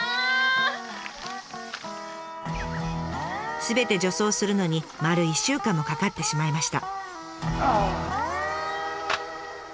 すべて除草するのに丸１週間もかかってしまいました。